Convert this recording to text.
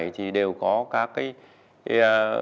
thì đều có các cái